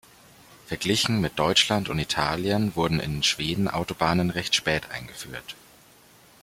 Verglichen mit Deutschland und Italien wurden in Schweden Autobahnen recht spät eingeführt.